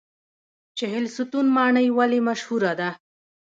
چهلستون ماڼۍ ولې مشهوره ده؟